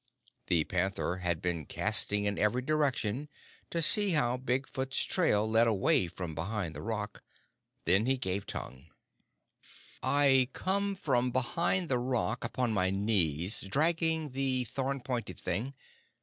The panther had been casting in every direction to see how Big Foot's trail led away from behind the rock. Then he gave tongue: "I come from behind the rock upon my knees, dragging the thorn pointed thing.